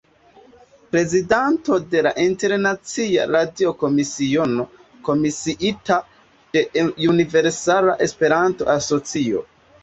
Prezidanto de la Internacia Radio-Komisiono, komisiita de Universala Esperanto-Asocio.